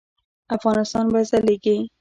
افغانستان به ځلیږي